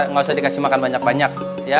nggak usah dikasih makan banyak banyak